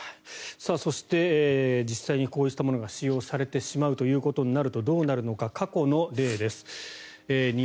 そして実際にこうしたものが使用されてしまうとなるとどうなるのか、過去の例です。